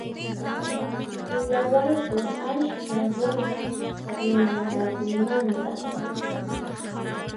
Willawayku askha runaq rimanakuymanta.